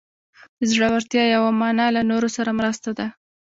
د زړورتیا یوه معنی له نورو سره مرسته ده.